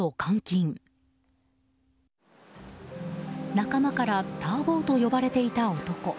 仲間からたー坊と呼ばれていた男。